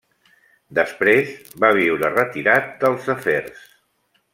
Després va viure retirat dels afers.